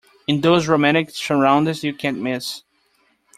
In those romantic surroundings you can't miss.